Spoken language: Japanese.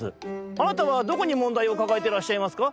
「あなたはどこにもんだいをかかえてらっしゃいますか？」。